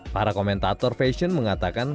para komentator fashion mengatakan